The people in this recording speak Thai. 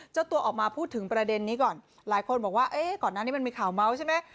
เจ้าตัวออกมาพูดถึงประเด็นนี้ก่อนหลายคนบอกว่าเอ๊ะก่อนหน้านี้มันมีข่าวเมาส์ใช่ไหม